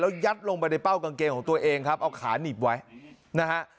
ยัดลงไปในเป้ากางเกงของตัวเองครับเอาขาหนีบไว้นะฮะ